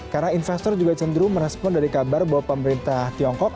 karena investor juga cenderung merespon dari kabar bahwa pemerintah tiongkok